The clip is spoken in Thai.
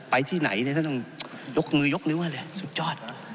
ไปที่ไหนเนี่ยท่านต้องยกงือนิ้วเลยสุดยอด